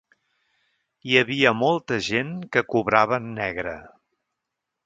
Hi havia molta gent que cobrava en negre.